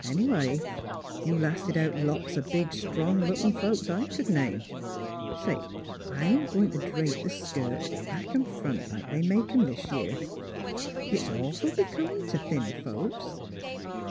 '' Anyway, you've lasted out lots o' big strong lookin' folks, I c'd name. ... Say, I'm a goin' t' drape the skirt, back an' front like they make 'em this year. It's awful becomin' t' thin folks.